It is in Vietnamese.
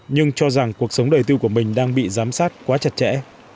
nhưng cho rằng cuộc sống đời tư của mình đang bị giám sát quá chặt chẽ